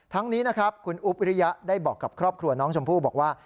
นี้นะครับคุณอุ๊บวิริยะได้บอกกับครอบครัวน้องชมพู่บอกว่า